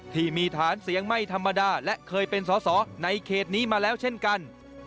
ที่มีฐานเสียงไม่ธรรมดาและเคยเป็นสอสอในเขตนี้มาแล้วเช่นกัน